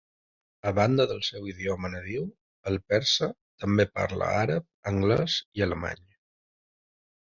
A banda del seu idioma nadiu, el persa, també parla àrab, anglès i alemany.